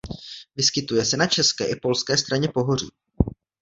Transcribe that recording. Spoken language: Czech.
Vyskytuje se na české i polské straně pohoří.